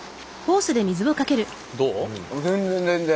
全然全然。